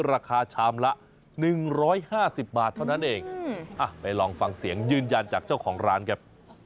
ราคาชามละหนึ่งร้อยห้าสิบบาทเท่านั้นเองอ่ะไปลองฟังเสียงยืนยันจากเจ้าของร้านกัน